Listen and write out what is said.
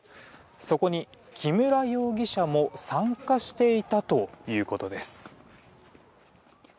そこに、木村容疑者も参加していたということです。